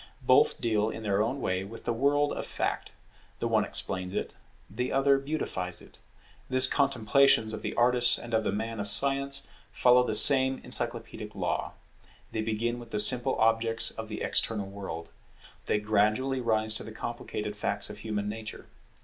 Both deal in their own way with the world of Fact; the one explains it, the other beautifies it. The contemplations of the artist and of the man of science follow the same encyclopædic law; they begin with the simple objects of the external world; they gradually rise to the complicated facts of human nature.